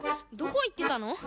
どこいってたの？